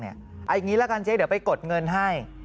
เอาอย่างนี้ละกันเจ๊เดี๋ยวไปกดเงินให้